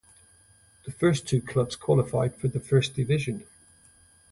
The first two clubs qualified for the first division.